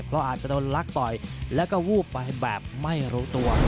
ก็อาจจะโดนลักต่อยแล้วก็วูบไปแบบไม่รู้ตัว